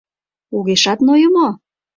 Огешат нойо мо?